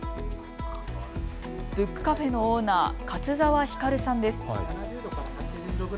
ブックカフェのオーナー、勝澤光さんです。